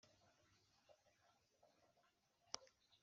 nti :narutunguye mu museke,